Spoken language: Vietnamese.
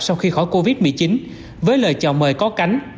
sau khi khỏi covid một mươi chín với lời chào mời có cánh